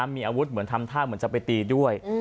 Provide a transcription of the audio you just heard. มีอาวุธเหมือนทำท่าเหมือนจะไปตีด้วย